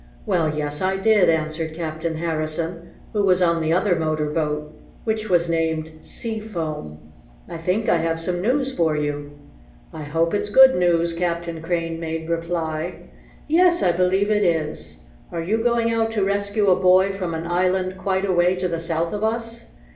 "Well, yes, I did," answered Captain Harrison, who was on the other motor boat, which was named Sea Foam. "I think I have some news for you." "I hope it's good news," Captain Crane made reply. "Yes, I believe it is. Are you going out to rescue a boy from an island quite a way to the south of us?"